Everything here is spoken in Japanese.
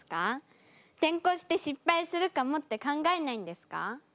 転向して失敗するかもって考えないんですか？